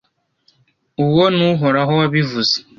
Uwo ni Uhoraho wabivuze.